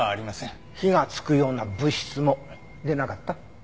火がつくような物質も出なかった？